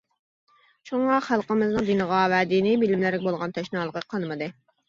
شۇڭا، خەلقىمىزنىڭ دىنغا ۋە دىنىي بىلىملەرگە بولغان تەشنالىقى قانمىدى.